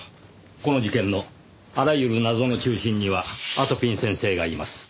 この事件のあらゆる謎の中心にはあとぴん先生がいます。